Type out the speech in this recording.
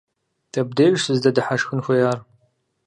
Дэбдеж сыздэдыхьэшхын хуеяр?